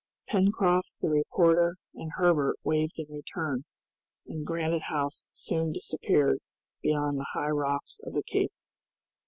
Pencroft, the reporter and Herbert waved in return, and Granite House soon disappeared behind the high rocks of the Cape.